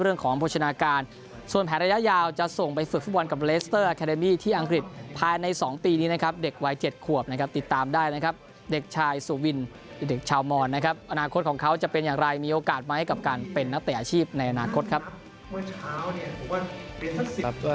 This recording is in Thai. เด็กชาวมอนนะครับอนาคตของเขาจะเป็นอย่างไรมีโอกาสไหมกับการเป็นนักแต่อาชีพในอนาคตครับ